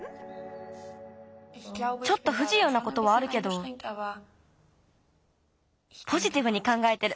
ちょっとふじゆうなことはあるけどポジティブにかんがえてる。